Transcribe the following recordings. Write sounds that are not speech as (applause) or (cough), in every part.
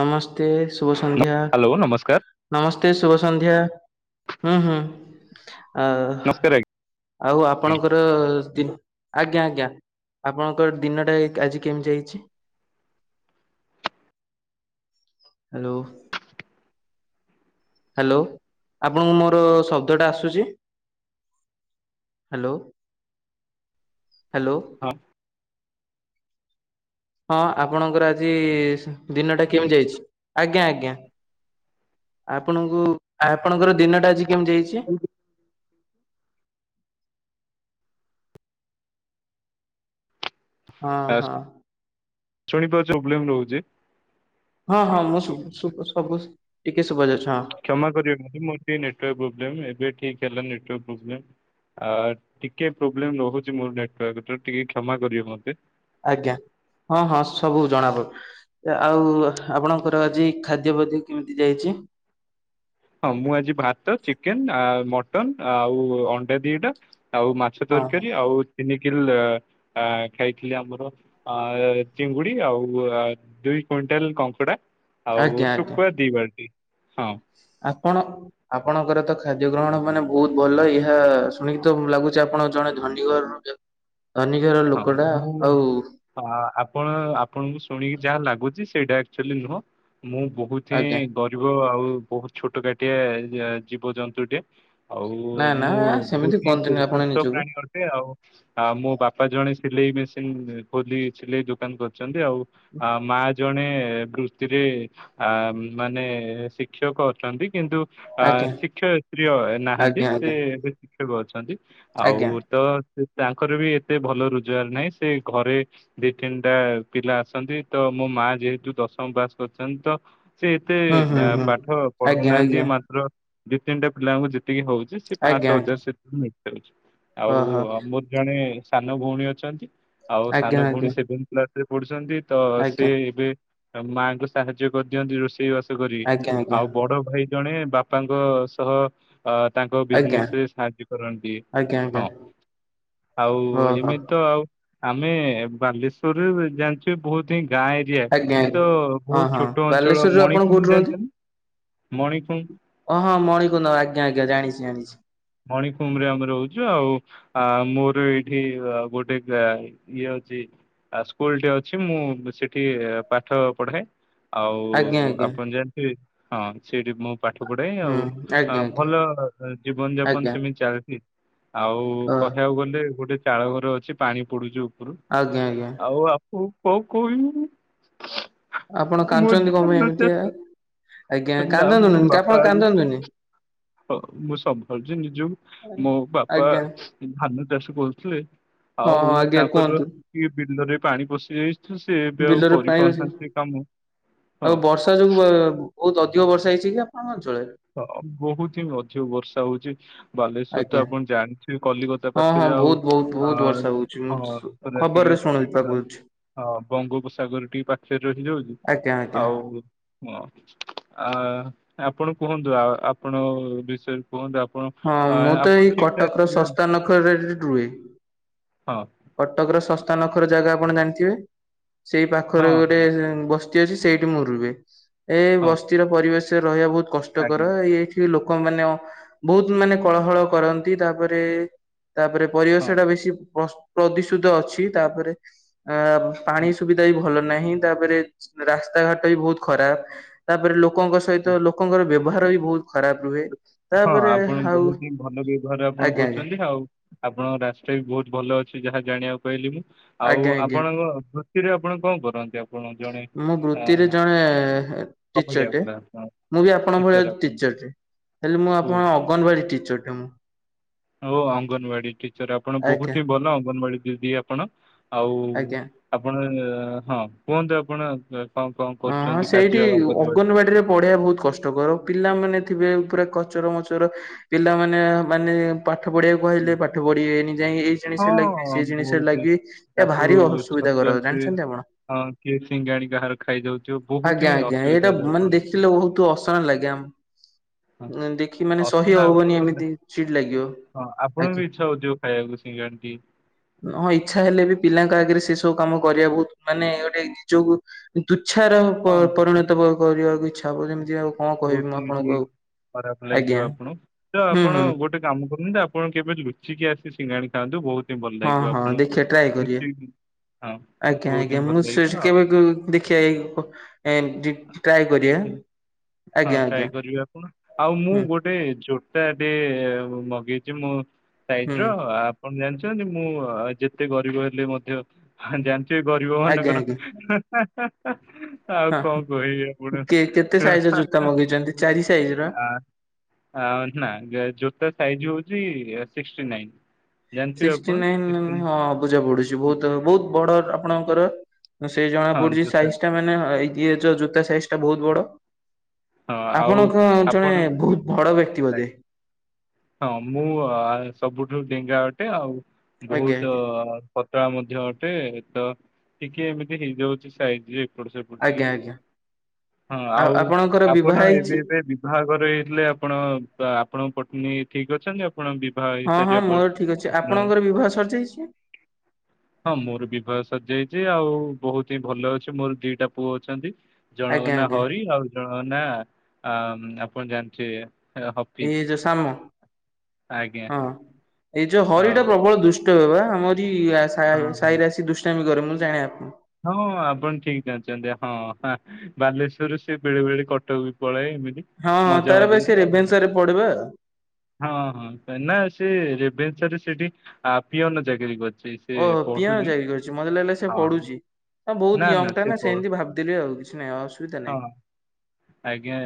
ନମସ୍ତେ ଶୁଭ ସନ୍ଧ୍ୟା। ହ୍ୟାଲୋ ନମସ୍କାର ନମସ୍ତେ ଶୁଭ ସନ୍ଧ୍ୟା ହୁଁ ହୁଁ ଆ ନମସ୍କାର ଆଉ ଆଜ୍ଞା ଆପଣଙ୍କର ତିନ୍ ଆଜ୍ଞା ଆଜ୍ଞା। ଆପଣଙ୍କର ଦିନଟା ଆଜି କେମିତି ହୋଇଛି? ହ୍ୟାଲୋ। ହ୍ୟାଲୋ ଆପଣଙ୍କୁ ମୋର ଶବ୍ଦ ଟା ଆସୁଛି? Hello hello. ହଁ। ହଁ ଆପଣଙ୍କର ଆଜି ଦିନଟା କେମିତି ଯାଇଛି? ଆଜ୍ଞା ଆଜ୍ଞା। ଆପଣଙ୍କୁ ଆପଣଙ୍କର ଦିନଟା ଆଜି କେମିତି ଯାଇଛି? ହଁ ହଁ। ଶୁଣିପାରୁଛି ପ୍ରୋବ୍ଲେମ ରହୁଛି। ହଁ ହଁ ମୁଁ ସୁବ୍ ସୁବ୍ ସବୁ ଟିକେ ଶୁଭାଯାଉଛି ହଁ। କ୍ଷମା କରିବେ (unintelligible) ମୋର ଟିକେ ନେଟୱର୍କ ପ୍ରୋବ୍ଲେମ୍ ଏବେ ଠିକ୍ ହେଲା ନେଟୱର୍କ ପ୍ରୋବ୍ଲେମ୍। ଆ ଟିକେ ପ୍ରୋବ୍ଲେମ ରହୁଛି ମୋର ନେଟୱର୍କ ତ ଟିକେ କ୍ଷମା କରିବେ ମତେ। ଆଜ୍ଞା ହଁ ହଁ ସବୁ ଜଣାପ ଆଉ ଆପଣଙ୍କର ଆଜି ଖାଦ୍ୟ ଭୋଜି କେମିତି ଯାଇଛି? ହଁ ମୁଁ ଆଜି ଭାତ, ଚିକେନ ଆ ମଟନ ଆଉ ଅଣ୍ଡା ଦିଟା ଆଉ ମା ଛ ହଁ ହଁ ତରକାରୀ ଆଉ ତିନି କିଲ ଆ ଖାଇଥିଲି ଆମର ଅ ଚିଙ୍ଗୁଡି ଆଉ ଦୁଇ କ୍ୱିଣ୍ଟାଲ କଙ୍କଡା। ଆଉ ଆଜ୍ଞା ଆଜ୍ଞା ଶୁଖୁଆ ଦିି ବାଲଟି ହଁ। ଆପଣ ଆପଣଙ୍କର ତ ଖାଦ୍ୟ ଗ୍ରହଣ ମାନେ ବହୁତ ଭଲ ଏହା ଶୁଣିକି ତ ଲାଗୁଛି ଆପଣ ଜଣେ ଧନୀଘରର ବ୍ୟ ଧନୀ ଘରର ହଁ ମୁଁ ହଁ ଆପଣ ଆପଣଙ୍କୁ ଶୁଣିକି ଯାହା ଲାଗୁଛି ସେଇଟା ଆକ୍ଚୁଆଲି ନୁହଁ। ମୁଁ ବହୁତ ଆଜ୍ଞା ହିଁ ଗରିବ ଆଉ ବହୁତ ଛୋଟ କାଟିଆ ଜୀବଜନ୍ତୁଟିଏ। ଆଉ-ଉ-ଉ ନା ନା ମୁଁ ବହୁତ ସେମିତି ହିଁ ତୁ କୁହନ୍ତୁନି ଆପଣ ତୁଚ୍ଛ ନିଜକୁ ପ୍ରାଣୀ ଅ ଅଟେ ଆଉ ଆ ମୋ ବାପା ଜଣେ ସିଲେଇ ମେସିନ ଖୋଲି ସିଲେଇ ଦୋକାନ କରି ଛନ୍ତି ଆଉ ଆ ମା ଜଣେ ବୃତ୍ତିରେ ଆ ମାନେ ଶିକ୍ଷକ ଅଛନ୍ତି କିନ୍ତୁ ଅ ଆଜ୍ଞା ଶିକ୍ଷୟ ତ୍ରିୟ ନାହାନ୍ତି ଆଜ୍ଞା ସେ ଆଜ୍ଞା ଏବେ ଶିକ୍ଷକ ଅଛନ୍ତି। ଆଜ୍ଞା ଆଉ ତ ତାଙ୍କର ବି ଏତେ ଭଲ ରୋଜଗାର ନାହିଁ ସେ ଘରେ ଦି ତିନିଟା ପିଲା ଆସନ୍ତି ତ ମୋ ମା ଯେହେତୁ ଦଶମ ପାସ କରିଛନ୍ତି ତ ସେ ଏତେ ହୁଁ ହୁଁ ବା ହୁଁ ପାଠ ଆଜ୍ଞା ପଢଉନାହାନ୍ତି ଆଜ୍ଞା ମାତ୍ର ଦିଇ ତିନିଟା ପିଲାଙ୍କୁ ଯେତିକି ହଉଛି ସେ ପାଞ୍ଚ ଆଜ୍ଞା ଛଅ ଆଜ୍ଞା ହଜାର ସେଥିରୁ ମିଶାଉଛି ଆଉ ଓହୋ ମୋର ଜଣେ ସାନ ଭଉଣୀ ଅଛନ୍ତି। ଆଉ ଆଜ୍ଞା ସାନ ଆଜ୍ଞା ଭଉଣୀ ସେଭେନ୍ କ୍ଲାସରେ ପଢୁଛନ୍ତି ତ ସେ ଆଜ୍ଞା ଏବେ ତମ ମାଆଙ୍କୁ ସାହାଯ୍ୟ କରିଦିଅନ୍ତି ରୋଷେଇ ବାସ କରି ଆଜ୍ଞା ଆଜ୍ଞା ଆଉ ବଡ ଭାଇ ଜଣେ ବାପାଙ୍କ ସହ ଅ ତାଙ୍କ ଆଜ୍ଞା ବିଜନେସରେ ସାହାଯ୍ୟ କରନ୍ତି ଆଜ୍ଞା ଆଜ୍ଞା ହଁ ଆଉ ଓହୋ ଏମିତି ତ ଆଉ ଆମେ ବାଲେଶ୍ୱରରେ ଜାଣିଛେ ବହୁତ ହିଁ ଗାଁ ଆଜ୍ଞା ଆଜ୍ଞା ତ ହଁ ବହୁତ ହଁ ଛୋଟ ଅଞ୍ଚଳ ବାଲେଶ୍ୱରରୁ ଆପଣ କୋଉଠି ମଣିଖୁଙ୍ଗ ଜାଣିଛ ମଣିଖୁଙ୍ଗ। ଓଁ ହଁ ମଣିିକୁନ୍ଦ ଆଜ୍ଞା ଆଜ୍ଞାଣିଛି ଜାଣିଛି। ମଣିଫୁଙ୍ଗ ରେ ଆମେ ରହୁଛୁ ଆଉ ଆ ମୋର ଏଇଠି ଗୋଟେ ଗା ଇଏ ଅଉଛି। ଆଉ ସ୍କୁଲ ଟେ ଅଛି ମୁଁ ସେଠି ପାଠ ପଢାଏ। ଆଜ୍ଞା ଆଉ ଆଜ୍ଞା ଆପଣ ଜାଣିଥିବେ ହଁ ସେଠି ମୁଁ ପାଠ ପଢାଏ ହୁଁ ଆଉ ଆଜ୍ଞା ଆଜ୍ଞା। ଭଲ ଜୀବନ ଯାପ ଆଜ୍ଞା ଚାଲିଛି ଆଉ ଅ କହିବାକୁ ଗଲେ ଗୋଟେ ଚାଳଘର ଅଛି ପାଣି ପଡୁଛି ଉପୁରୁ। ଆଜ୍ଞା ଆଜ୍ଞା। ଆଉ ଆପଣଙ୍କୁ କଣ କହିବି। ଆପଣ ମୋ କାନ୍ଦୁଛନ୍ତି କଣ ପାଇଁ ଧାନ ଏମିତିଆ ଚାଷ ଆଜ୍ଞା କାନ୍ଦନ୍ତୁନି ଆପଣ କାନ୍ଦନ୍ତୁନି। ହ ମୁଁ ସମ୍ଭାଲୁଚି ନିଜକୁ ମୋ ବାପା ଆଜ୍ଞା ଧାନ ଚାଷ କରୁଥିଲେ। ହଁ ଆଉ ହଁ ଆଜ୍ଞା ତାଙ୍କର କୁହନ୍ତୁ ଏ ବିଲରେ ପାଣି ପଶି ଯାଇଛି ତ ସେ ଏବେ ଆଉ ବିଲରେ ପାଣି ଅଛି। କରିପାରୁନାହାନ୍ତି କାମ ଆଉ ହ। ବର୍ଷା ଯୋଗୁ ବହୁତ ଅଧିକ ବର୍ଷା ହେଇଛି କି ଆପଣଙ୍କ ଅଞ୍ଚଳରେ? ହ ବହୁତ ହିଁ ଅଧିକ ବର୍ଷା ହଉଛି। ବାଲେଶ୍ଵର ଆଜ୍ଞା। ତ ଆପଣ ଜାଣିଥିବେ କଲିକତା ହଁ ହଁ ପାଖରେ ଆଉ ହଁ ହଁ। ପୁରା ଖବର ଟିକେ ରେ ଶୁଣିଲ ପା ଆ, କହୁଛି। ହଁ ବଙ୍ଗୋପସାଗର ଟିକେ ପାଖରେ ରହିଯାଉଛି ଆଜ୍ଞା ଆଜ୍ଞା ଆଉ। ହଁ ଆ ଆପଣ କୁହନ୍ତୁ ଆ ଆପଣ ବିଷୟରେ କୁହନ୍ତୁ ଆପଣ ହଁ ଆ ମୁଁ ତ ଆପଣ ଏଇ ଠିକ୍ ଠାକ୍ କଟକର ଥିବେ ଶସ୍ତା ନଖରାରେ ରୁହେ। ହଁ କଟକର ଶସ୍ତା ନଖରା ଜାଗା ଆପଣ ଜାଣିଥିବେ ସେଇ ହଁ ପାଖରେ ଗୋଟେ ହଁ ବ ସ୍ତି ଅଛି ସେଇଠି ମୁଁ ରୁହେ ଏ ହଁ ବସ୍ତିର ପରିବେଶରେ ରହିବା ବହୁତ କଷ୍ଟକର ଆଜ୍ଞା ଏଇଠି ଲୋକମାନେ ବହୁତ ମାନେ କଳହଳ କରନ୍ତି ତାପରେ ତାପରେ ପରିବେଶ ହଁ ଟା ବେଶୀ ପ୍ର ପ୍ରଦୂଷିତ ଅଛି ତାପରେ ଆ ପାଣି ହଁ ସୁବିଧା ବି ଭଲ ନାହିଁ ତାପରେ ରାସ୍ତାଘାଟ ବି ବହୁତ ଖରାପ। ତାପରେ ଲୋକଙ୍କ ହଁ ସହିତ ଲୋକଙ୍କର ବ୍ୟବହାର ବି ବହୁତ ଖରାପ ରୁହେ। ହଁ ତାପରେ ଆପଣ ଆଉ ବହୁତ ହିଁ ଭଲ ବ୍ୟବହାର ଆପଣ ଆଜ୍ଞା ଆଜ୍ଞା କରୁଛନ୍ତି ଆଉ ଆପଣଙ୍କ ରାସ୍ତା ବି ବହୁତ ଭଲ ଅଛି ଯାହା ଜାଣିବାକୁ ପାଇଲି ମୁଁ ଆଜ୍ଞା ଆଉ ଆଜ୍ଞା ଆପଣଙ୍କ ଛୁଟିରେ ଆପଣ କଣ କରନ୍ତି ଆଉ। ଆପଣ ଜଣେ ମୁଁ ଆ ବୃତ୍ତିରେ ଜଣେ ଟିଚର କବାଡ଼ିଆ ଟେ। ବୋଧେ ଆପଣ ମୁଁ ବି ଆପଣଙ୍କ ଭଳିଆ ଟିଚର୍ ଆପଣ ଟିଚର ଟେ ହେଲେ ମୁଁ ଓ ଆପଣ ଅଙ୍ଗନବାଡି ଟିଚର ଟେ ମୁଁ। ଆଉ ଅଙ୍ଗନବାଡି ଟିଚର ଆପଣ ଆଜ୍ଞା ବହୁତ ହି ଭଲ ଅଙ୍ଗନବାଡି ଦିଦି ଆପଣ ଆଉ ଆଜ୍ଞା। ଆପଣ ହଁ କୁହନ୍ତୁ ଆପଣ କ'ଣ କ'ଣ ଓ ହଁ କରୁଛନ୍ତି ସେଇଠି କାର୍ଯ୍ୟ ଅଙ୍ଗନବାଡ଼ିରେ ଅଙ୍ଗନବାଡିରେ ପଢେଇବା ବହୁତ କଷ୍ଟ। କର ପିଲାମାନେ ଥିବେ ପୁରା କଚର ମଚର ପିଲାମାନେ ମାନେ ପାଠ ପଢିବାକୁ କହିଲେ ପାଠ ପଢିବେନି ଯାଇ ଏଇ ଜିନିଷରେ ଲାଗିବି ହଁ ସେଇ ଜିନିଷରେ ବହୁତ ହିଁ ଲାଗି ଏ ତାକୁ ଭାରି ଅସୁବିଧା ଛତୁଆ କର ଦିଏ ଜାଣିଛନ୍ତି ଆପଣ। ହଁ କିଏ ସିଙ୍ଗାଣି କାହାର ଖାଇଯାଉଥିବ ବହୁତ ଆଜ୍ଞା ହିଁ ଆଜ୍ଞା ଏଇଟା ଅସୁବିଧାରେ ମାନେ ଆପଣ ଅଛନ୍ତି ଦେଖିଲେ ବହୁତ ଅସନା ଲାଗେ ହଁ ଆମ ଦେଖି ମାନେ ସହି ଅସନା ହବନି ଆପଣ ଏମିତି ଚିଡି ଲାଗିବ। ହଁ ଆଜ୍ଞା। ଆପଣଙ୍କୁ ବି ଇଚ୍ଛା ହଉଥିବ ଖାଇବାକୁ ସିଙ୍ଗାଣି ଟିକେ? ହଁ ଇଚ୍ଛା ହେଲେ ବି ପିଲାଙ୍କ ଆଗରେ ସେ ସବୁ କାମ କରିବାକୁ ମାନେ ଗୋଟେ ନିଜକୁ ତୁଚ୍ଛାର ପ ହଁ ପରିଣତ କରିବାକୁ ଇଚ୍ଛା ହବ ଯେମିତି ଆଉ କଣ ବହୁତ କହିବି ମୁଁ ହିଁ ଟିକେ ଆପଣଙ୍କୁ ଆଉ ଖରାପ ଆଜ୍ଞା ଲାଗିବ ଆପଣଙ୍କୁ ତ ହୁଁ ଆପଣ ହୁଁ ଗୋଟେ କାମ କରୁନି ତ ଆପଣ କେବେ ଲୁଚିକି ଆସିି ସିଙ୍ଗାଣି ଖାଆନ୍ତୁ ବହୁତ ହିଁ ଭଲ ହଁ ଲାଗିବ ହଁ ଆପଣଙ୍କୁ। ଦେଖିବା ଟ୍ରାଏ କରିବା ଲୁଚିକି ହଁ ଆଜ୍ଞା ବହୁତ ଆଜ୍ଞା ହିଁ ଭଲ ମୁଁ ସେ ଲାଗିବ ଆଉ କେବେ ଦେଖିବା ଏଇ ଲୋକ ଏମିତି ଟ୍ରାଏ କରିବା କିଛି ଆଜ୍ଞା ଆଜ୍ଞା ହଁ। ଭାଇ ଜୋତାଟେ ମଗେଇଛି ମୋ ସାଇଜ ହୁଁ। ର ଆ କଣ ଜାଣିଛନ୍ତି ମୁଁ ଯେତେ ଗରିବ ହେଲେ ମଧ୍ୟ ଜା- ସେ ଗରିବ ଆଜ୍ଞା ମାନଙ୍କର ଆଜ୍ଞା ଆଉ ହଁ କଣ କହିବି ଆପଣ? କେ କେତେ ସାଇଜ ର ଜୋତା ମଗେଇଛନ୍ତି ଚାରି ସାଇଜ ର? ଆ ନା ଜୋତା ସାଇଜ ହଉଛି ଏ ସିକ୍ସଟି ନାଇନ୍। ଜାଣିଥିବେ ସିକ୍ସଟି ଆପଣ ନାଇନ୍ ସିକ୍ସଟି ହଁ ଅବୁଝା ପଡୁଛି। ବହୁତ ବହୁତ ବଡ ଆପଣଙ୍କର ସେ ଜଣା ହଁ ପଡୁଛି ଜୋତା ସାଇଜଟା ମାନେ ଇଏ ଯୋଉ ଜୋ ତା ସାଇଜଟା ବହୁତ ବଡ ହଁ ଆଉ ଆପଣଙ୍କ ଅଞ୍ଚଲେ ଆପଣ ବହୁତ ବଡ ବ୍ୟକ୍ତି ବୋଧେ। ହଁ ମୁଁ ସବୁଠୁ ଡେଙ୍ଗା ଅଟେ ଆଉ ଆଜ୍ଞା ବହୁତ ଆଜ୍ଞା ପତଳା ମଧ୍ୟ ଅଟେ ତ ଟିକେ ଏମିତି ହେଇଯାଉଛି ସାଇଜ। ଏପଟ ସେପଟ ଟିକେ ଆଜ୍ଞା ଆଜ୍ଞା। ଆ ହଁ ଆଉ ଆପଣଙ୍କର ବିବାହ ଆପଣ ହେଇଛି? ଏବେ ଏବେ ବାହାଘର ହେଇଥିଲେ ଆପଣ ଆପଣଙ୍କ ପତ୍ନୀ ଠିକ ଅଛନ୍ତି? ଆପଣ ବିଭାହ ହଁ ହଁ ମୋର ଠିକ ଅଛି ଆପଣଙ୍କର ବିବାହ ସରିଯାଇଛି? ହଁ ମୋର ବିିବାହ ସରିଜାଇଛି ଆଉ ବହୁତ ହିଁ ଭଲ ଅଛି ମୋର ଦିଟା ପୁଅ ଅଛନ୍ତି। ଜଣଙ୍କ ଆଜ୍ଞା ନାଁ ଆଜ୍ଞା ହରି ଆଉ ଜଣଙ୍କ ନା ଆ ଆପଣ ଜାଣିଥିବେ? ଏ, ହଫିଜ। ଏଇ ଯୋଉ ସାମ ଆଜ୍ଞା ହଁ ଏଇ ଯୋଉ ହରିଟା ହଁ ପ୍ରବଳ ଦୁଷ ବା ଆମର ହଁ ହଁ। ସାହିରେ ଆସି ଦୁଷ୍ଟାମି କରେ ମୁଁ ଜାଣେ ତାକୁ ହଁ ଆପଣ ଠିକ କହୁଛନ୍ତି ହଁ। ବାଲେଶ୍ଵରରୁ ସେ ବେଳେ ବେଳେ କଟକ ବି ପଳାଏ ଏମିତି ହଁ ହଁ ମଜା ତାର ବ ମଜାରେ ସେ ଆଉ। ରେଭେନସାରେ ପଡିବା। ହଁ ହଁ ନା ସେ ରେଭେନସାରେ ସେଠି ଆ ପିଅନ ଚାକିରି କରିଛି। ସେ ଓହୋ ପିଅନେ ପଢୁନି ଚାକିରି କରିଛି ମତେ ଲାଗିଲା ସେ ହଁ ପଡୁଛି। ହଁ ନା ବହୁତ ୟଙ୍ଗଟା ସେ ନା ପଢୁ ସେମତି ଭାବଥିଲି ଆଉ କିଛି ନାହିଁ ଅସୁବିଧା ହଁ। ନାହିଁ। ଆଜ୍ଞା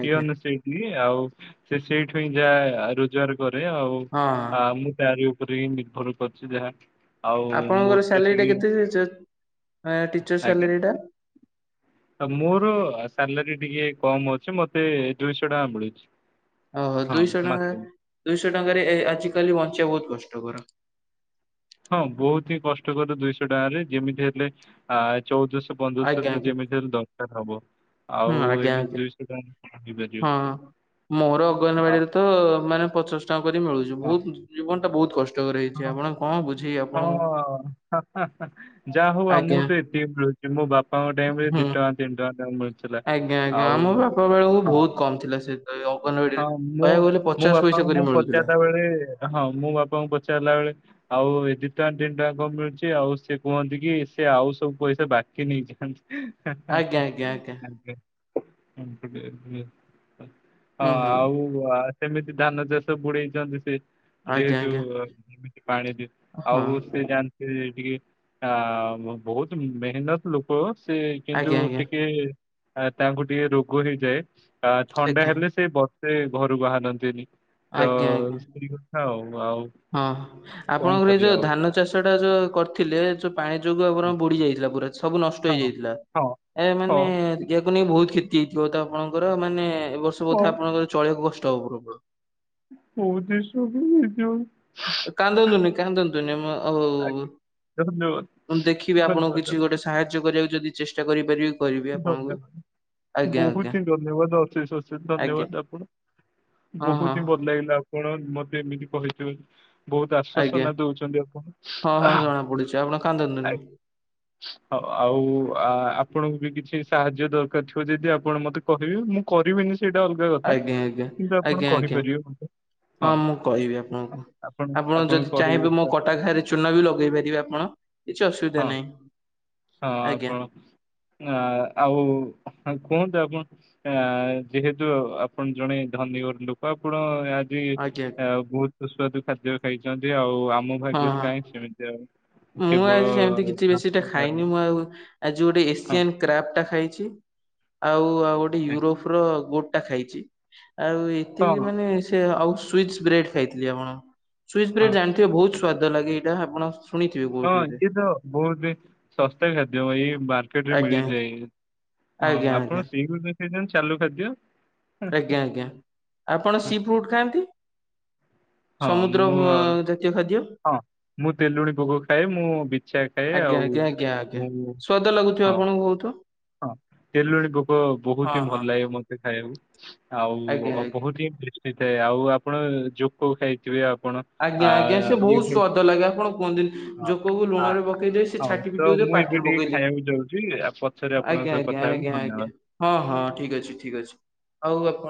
ପିଅନ ସେ ସିଏ ଆଉ ସେ ସେଇଠୁଁ ଯା ରୋଜଗାର କରେ ହଁ ହଁ। ଆଉ ମୁଁ ତାର ନିର୍ଭର କରିୁଛି ଯାହା ଆଉ ଆପଣଙ୍କର ମୋର ତ କିଏ (inaudible) ଟିଚର ଆଜ୍ଞା।। ସାଲେରୀ ଟା ମୋର ସାଲାରୀ ଟିକେ କମ ଅଛି ମତେ ଦୁଇଶହ ଟଙ୍କା ମିଳୁଛି। ଓହୋ ହଁ ଦୁଇଶହ ଟଙ୍କା ମାସକୁ ଦୁଇଶହ ଟଙ୍କାରେ ଆଜିକାଲି ବଞ୍ଚିବା ବହୁତ କଷ୍ଟକର। ହଁ ବହୁତ ହିଁ କଷ୍ଟକର ଦୁଇଶହ ଟଙ୍କାରେ ଯେମିତି ହେଲେ ଆ ଚଉଦଶହ ପନ୍ଦରଶହ ଆଜ୍ଞା ତ ଆଜ୍ଞା ଯେମିତି ହେଲେ ଦରକାର ହବ ହୁଁ ଆଉ ଆଜ୍ଞା ଏମିତି ଆଜ୍ଞା ଦୁଇଶହ ଟ ହଁ ମୋର ଆଉ ଅଗନବାଡିରେ ତ ମାନେ ପଚାଶ ଟଙ୍କା କରି ମିଳୁଛି ହଁ ବହୁତ ଜୀବନଟା ବହୁତ କଷ୍ଟକର ହେଇଛି ହଁ ଆପଣ କଣ ବୁଝେଇ ଆଉ ହଁ। ଯାହା ହଉ ଆଜ୍ଞା ଆମକୁ ତ ଏତିକି ମିଳୁଛି ମୋ ବାପାଙ୍କ ଟାଇମ ହୁଁ। ଦି ଟଙ୍କା ତିନି ଟଙ୍କା ତାଙ୍କୁ ମିଳୁଥିଲା। ଆଜ୍ଞା ଆଜ୍ଞା ଆଉ ଆମ ବାପା ବେଳଙ୍କୁ ହଁ ବହୁତ କମ୍ ଥିଲା ସେ ଅଙ୍ଗନବାଡିରେ ହଁ ମୁଁ କହିବାକୁ ଗଲେ ମୋ ପଚାଶ ପଇସା ବାପାଙ୍କୁ ମୁଁ କରି ମିଳୁ ପଚାରିଲା ବେଳେ ହଁ ମୁଁ ବାପାଙ୍କୁ ପଚାରିଲା ବେଳେ ଆଉ ଏ ଦିଇଟଙ୍କା ତିନି ଟଙ୍କା କଣ ମିଳୁଛି ଆଉ ସେ କୁହନ୍ତି କି ସେ ଆଉ ସବୁ ପଇସା ବାକି ନେଇଯାଆନ୍ତି। ଆଜ୍ଞା ଆଜ୍ଞା ଆଜ୍ଞା ଆ। ହଁ ହୁଁ ହୁଁ ଆଉ ସେମିତି ଧାନ ଚାଷ ବୁଣେଇଛନ୍ତି ସେ ଆଜ୍ଞା ଯେହେତୁ ଆଜ୍ଞା ପାଣି ଦ ହଁ ଆଉ ସେ ଯା ସେ ଟିକେ ଆ ବହୁତ ମେହନତ ଲୋକ ସେ କିନ୍ତୁ ଆଜ୍ଞା ଆଜ୍ଞା ଟିକେ ତାଙ୍କୁ ଟିକେ ରୋଗ ହେଇଯାଏ ଆ ଥଣ୍ଡା ଆଜ୍ଞା ହେଲେ ସେ ବ ସେ ଘରୁ ବାହାରନ୍ତିନି ତ ଆଜ୍ଞା ଆଜ୍ଞା ସେଇ କଥା ଆଉ ଆଉ। ହଁ କଣ ଆପଣଙ୍କର ଏ କରିବା ଯୋଉ ଆଉ ଧାନ ଚାଷ ଟା ଯୋଉ କରିଥିଲେ ଯୋଉ ପାଣି ଯୋଗୁ ଆମର ବୁଡି ଯାଇଥିଲା ପୁରା। ସବୁ ନଷ୍ଟ ହଁ ହେଇଯାଇଥିଲା ହଁ ଏ ହଁ ମାନେ ୟାକୁ ନେଇ ବହୁତ କ୍ଷତି ହେଇଥିବ ତ ଆପଣଙ୍କର ମାନେ ଏ ବର୍ଷ ହଁ ହଁ ବୋଧେ ଆପଣଙ୍କର ଚଳିବାକୁ କଷ୍ଟ ହବ (inaudible) ବହୁତ ଇସୁ ହଉ ଯଉ କାନ୍ଦନ୍ତୁନି କାନ୍ଦନ୍ତୁନି ମ ଆଉ ଆଜ୍ଞା ଧନ୍ୟବାଦ ମୁଁ ଦେଖିବି ଆପଣଙ୍କୁ ଧନ୍ୟବାଦ କିଛି ଗୋଟେ ସାହାଯ୍ୟ କରିବାକୁ ଯଦି ଚେଷ୍ଟା କରିପାରିବି। କରିବି ଆପଣଙ୍କୁ। ଧନ୍ୟବାଦ ଆଜ୍ଞା ଆଜ୍ଞା ବହୁତ ହିଁ ଧନ୍ୟବାଦ ଅଶେଷ ଅଶେଷ ଆଜ୍ଞା ଧନ୍ୟବାଦ ଆପଣଙ୍କୁ। ହଁ ହଁ ବହୁତ ହିଁ ଭଳଳାଗିଲା ଆପଣ ମତେ ଏମିତି କହିଥିବାରୁ। ବହୁତ ଆଜ୍ଞା ଆଶ୍ଵସନା ଦଉଛନ୍ତି ଆପଣ ହଁ ହଁ ଆହା ଜଣା ପଡୁଛି ଆପଣ କାନ୍ଦନ୍ତୁନି। (unintelligible) ହ ଆଉ ଆ-ଆପଣଙ୍କୁ ବିଡି ସେ ସାହାଯ୍ୟ ଦରକାର ଥିବ ଯଦି ଆପଣ ମତେ କହିବେ ମୁଁ କରିବି ନିଶ୍ଚି ଆଜ୍ଞା ଆଜ୍ଞା ଆଜ୍ଞା ଆଜ୍ଞା। କହିପାରିବେ ମତେ ହଁ ମୁଁ କହିବି ଆପଣଙ୍କୁ ଆପଣ ଯଦି ଚାହିଁବେ ମୋ କଟା ଘାରେ ଚୂନା ବି ଲଗେଇ ପାରିବେ ଆପଣ କିଛି ଅସୁବିଧା ହଁ ନାହିଁ ଆଜ୍ଞା। ଆପଣ ଆ- ଆଉ କୁହନ୍ତୁ ଆପଣ? ଆ ଯେହେତୁ ଆପଣ ଜଣେ ଧନୀ ଘର ଲୋକ ଆପଣ (inaudible) ଆଜ୍ଞା ବହୁତ ସୁସ୍ଵାଦୁ ଖାଦ୍ୟ ଖାଇଛନ୍ତି ଆଉ ଆମକୁ ହଁ ଭାଗ୍ୟରୁ ହଁ କାହିଁ ସେମିତିଆ ଆଉ (unintelligible) ମୁଁ ଆଜି ସେମିତି କିଛି ବେଶୀଟା ଭାତ ଡାଲି ଖାଇନି ମୁଁ ଆଉ। ଆଜି ଗୋଟେ ହଁ ଏସିଆନ କ୍ରାବ ଟା ଖାଇଛି ଆଉ ଆଉ ଗୋଟେ ଆଜ୍ଞା। ୟୁରୋପ ର ଗୋଟ ଟା ଖାଇଛି ଆଉ ଏତିକି ହଁ ମାନେ ସେ ଆଉ ସୁଇଚ୍ ବ୍ରେଡ ଖାଇଥିଲି ଆପଣ। ସୁଇସ୍ ବ୍ରେଡ ହଁ ଜାଣିଥିବେ ବହୁତ ସ୍ଵାଦ ଲାଗେ ଏଇଟା ଆପଣ। ଶୁଣିଥିବେ କୋଉଠି ହଁ ଗୋଟେ ଇଏ ତ ବହୁତ ଶସ୍ତା ଖାଦ୍ୟ ଏଇ ବାର୍ ମାର୍କେଟରେ ଆଜ୍ଞା। ମିଳିଯାଏ ହଁ ଆଜ୍ଞା ଆଜ୍ଞା ଆପଣ ସେଇଗୁଡ଼ା ଖାଇଛନ୍ତି ଚାଲୁ ଖାଦ୍ୟ। ଆଜ୍ଞା ଆଜ୍ଞା ଆପଣ ସି ଫ୍ରୁଡ ଖାଆନ୍ତି? ହଁ ସମୁଦ୍ର ମୁଁ ଜାତୀୟ ଖାଦ୍ୟ। ହଁ ମୁଁ ତେଲୁଣି ପୋକ ଖାଏ ମୁଁ ବିଛା ଖାଏ ଆଜ୍ଞା ଆଉ ଆଜ୍ଞା ଆଜ୍ଞା ଆଜ୍ଞା। ମୁଁ ସ୍ଵାଦ ଲାଗୁଥିବ ହଁ ଆପଣଙ୍କୁ ବହୁତୁ? ହଁ ତେଲୁଣୀ ପୋକ ବହୁତ ହଁ ହିଁ ହଁ। ଭଲ ଲାଗେ ମତ ଖାଇବାକୁ ଆଉ ଆଜ୍ଞା ଆଜ୍ଞା। (unintelligible) ଆଉ ଆପଣ ଜୋକ ଖାଇଥିବେ ଆପଣ। ଆ ଆଜ୍ଞା ଆଜ୍ଞା ସେ ଇଏ ବହୁତ ଖାଇ ସ୍ଵାଦ ଲାଗେ ଆପଣ କୁହନ୍ତି ନି ହଁ ଯୋକକୁ ଆ ଲୁଣ ରେ ପକେଇ ଦେଇ ସେ ହଉ ଛାଟି ପିଟି ତ ହଉଥିବ ମୁଁ ଏବେ ପାଟିରେ ପକେଇ ଟିକେ ଦେଇଥିବେ। ଖାଇବାକୁ ଯାଉଛି ଆଉ ପଛରେ ଆପଣଙ୍କ ଆଜ୍ଞା ସହ ଆଜ୍ଞା କଥା ହେବି ଆଜ୍ଞା ଧନ୍ୟବାଦ। ଆଜ୍ଞା ହଁ ହଁ ଠିକ ଅଛି ଠିକ୍ ଅଛି ଆଉ ଆପଣ